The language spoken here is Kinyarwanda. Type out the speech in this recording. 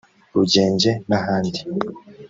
Rugenge n’ahandi